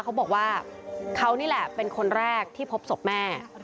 เขาบอกว่าเขานี่แหละเป็นคนแรกที่พบศพแม่